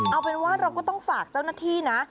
เอาเป็นว่าเราก็ต้องฝากเจ้าหน้าที่นะ